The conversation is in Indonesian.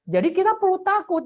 jadi kita perlu takut